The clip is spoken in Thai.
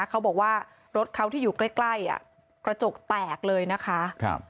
เขาบอกว่ารถเขาที่อยู่ใกล้กระจกแตกเลยนะคะ